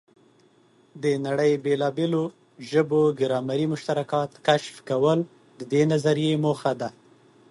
د نړۍ بېلابېلو ژبو ګرامري مشترکات کشف کول د دې نظریې موخه ده.